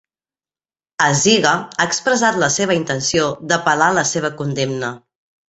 Aziga ha expressat la seva intenció d'apel·lar la seva condemna.